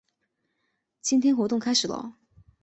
今天活动开始啰！